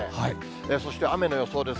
そして雨の予想です。